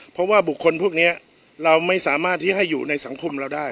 เพราะว่าบุคคลพวกนี้เราไม่สามารถที่ให้อยู่ในสังคมเราได้